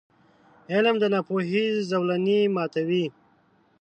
• علم، د ناپوهۍ زولنې ماتوي.